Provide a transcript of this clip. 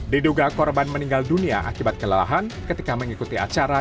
diduga korban meninggal dunia akibat kelelahan ketika mengikuti acara